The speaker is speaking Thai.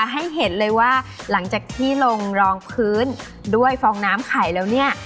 ให้เห็นเลยว่าหลังจากที่ลงรองพื้นด้วยฟองน้ำไข่แล้วเนี่ย